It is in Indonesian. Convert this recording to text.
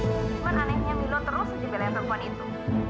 cuman anehnya milo terus sih belain perempuan itu